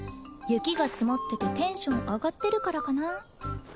雪が積もっててテンション上がってるからかな？